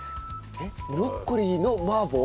えっブロッコリーの麻婆？